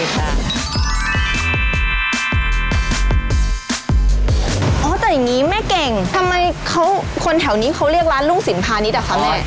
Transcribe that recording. จัดอย่างนี้แม่แกงทำไมคนแถวนี้เรียกร้านลุ่งสินภารรีนิดกับใหม่